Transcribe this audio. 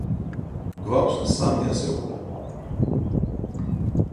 გვაქვს სამი ასეული.